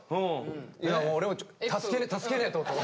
いや俺も「助けねえと！」と思って。